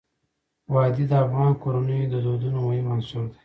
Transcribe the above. وادي د افغان کورنیو د دودونو مهم عنصر دی.